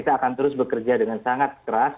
kita akan terus bekerja dengan sangat keras